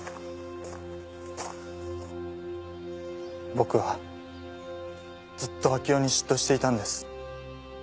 僕はずっと明生に嫉妬していたんです。